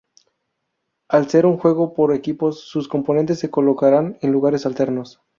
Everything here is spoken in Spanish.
Al ser un juego por equipos, sus componentes se colocaran en lugares alternos.